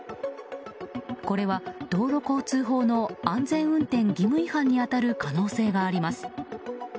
これは、道路交通法の安全運転義務違反に当たる可能性があります。